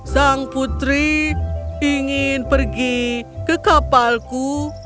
sang putri ingin pergi ke kapalku